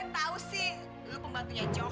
baru bangun ya